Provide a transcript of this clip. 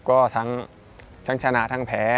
ก็ทั้งชนะทั้งแพ้